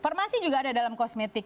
formasi juga ada dalam kosmetik